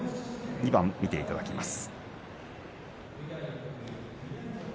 ２番をご覧いただきます。